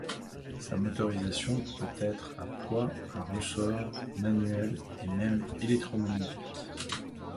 Sa motorisation peut être à poids, à ressort, manuelle et même électromécanique.